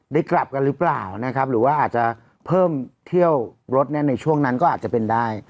กลับกันหรือเปล่านะครับหรือว่าอาจจะเพิ่มเที่ยวรถในช่วงนั้นก็อาจจะเป็นได้